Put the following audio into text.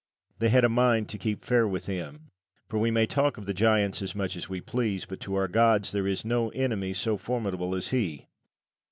They had a mind to keep fair with him. For we may talk of the giants as much as we please, but to our gods there is no enemy so formidable as he.